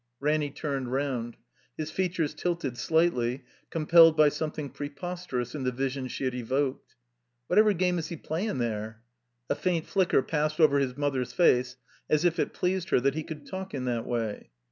Ranny turned round. His features tilted slightly, compelled by something preposterous in the vision she had evoked. Whatever game is he playin' there?" A faint flicker passed over his mother's face, as if it pleased her that he cotdd talk in that way.